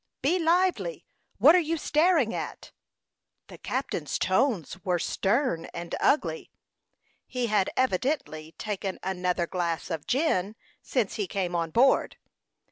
"Be lively! What are you staring at?" The captain's tones were stern and ugly. He had evidently taken another glass of gin since he came on board.